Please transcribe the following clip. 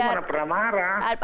pak prabowo mana pernah marah